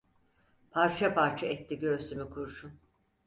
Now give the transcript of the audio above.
Parça parça etti göğsümü kurşun.